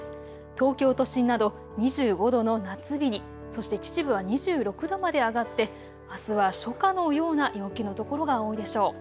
東京都心など２５度の夏日に、そして秩父は２６度まで上がってあすは初夏のような陽気の所が多いでしょう。